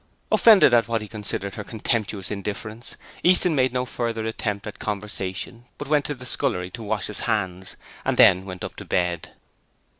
Offended at what he considered her contemptuous indifference, Easton made no further attempt at conversation but went into the scullery to wash his hands, and then went up to bed.